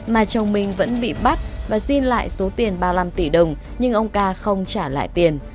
mà chồng mình vẫn bị bắt và xin lại số tiền ba mươi năm tỷ đồng nhưng ông ca không trả lại tiền